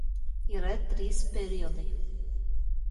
Yra trys periodai.